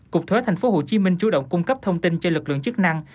cục thuế thành phố hồ chí minh chủ động cung cấp thông tin cho lực lượng chức năng